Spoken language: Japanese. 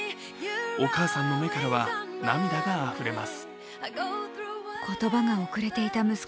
お母さんの目からは涙があふれます。